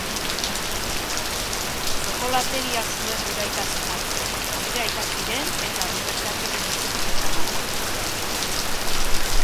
Txokolategia zuen gure aita zenak, gure aitatxiren eta birraitatxiren eskutik ukana.